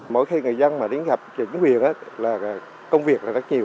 mỗi khi người dân đến gặp chính quyền công việc rất nhiều